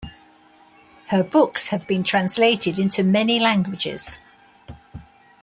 Her books have been translated into many languages.